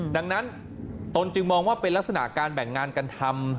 ดังนั้นตนจึงมองว่าเป็นลักษณะการแบ่งงานกันทำ